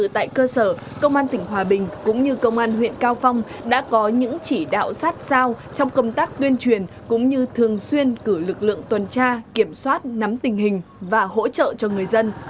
tại cơ sở công an tỉnh hòa bình cũng như công an huyện cao phong đã có những chỉ đạo sát sao trong công tác tuyên truyền cũng như thường xuyên cử lực lượng tuần tra kiểm soát nắm tình hình và hỗ trợ cho người dân